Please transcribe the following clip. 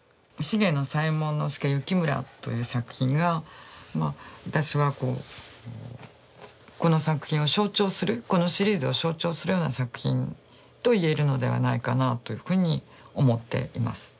「滋野左ヱ門佐幸村」という作品がまあ私はこの作品を象徴するこのシリーズを象徴するような作品と言えるのではないかなというふうに思っています。